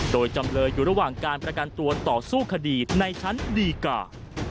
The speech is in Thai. โดยจำเลยอยู่ระหว่างการประกันตัวต่อสู้คดีในชั้นดีกา